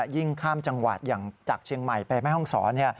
ยิ่งข้ามจังหวัดอย่างจากเชียงใหม่ไปแม่ห้องศร